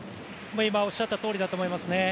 今、おっしゃったとおりだと思いますね。